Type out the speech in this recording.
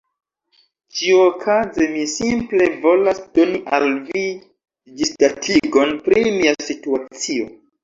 Ĉiuokaze, mi simple volas doni al vi ĝisdatigon pri mia situacio.